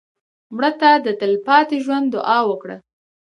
مړه ته د تلپاتې ژوند دعا وکړه